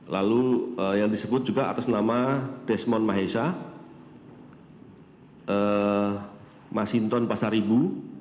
lalu yang disebut juga atas nama desmond mahesa masinton pasaribu